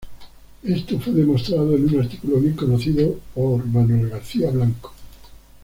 Esto fue demostrado, en un artículo bien conocido, por Manuel García Blanco.